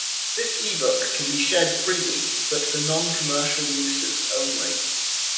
This e-book can be shared freely but for non-commercial uses only.